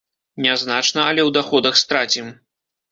Нязначна, але ў даходах страцім.